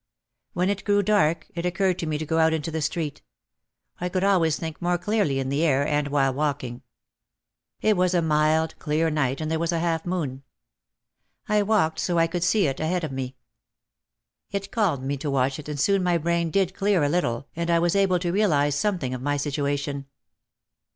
When it grew dark it occurred to me to go out into the street. I could always think more clearly in the air and while walking. It was a mild, clear night and there was a half moon. I walked so I could see it ahead of me. It calmed me to watch it and soon my brain did clear a little and I was able to realise something of my situation.